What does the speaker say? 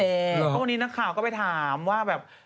เพราะวันนี้นักข่าวก็ไปถามว่าแบบ